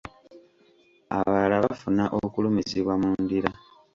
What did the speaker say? Abalala bafuna okulumizibwa mu ndira.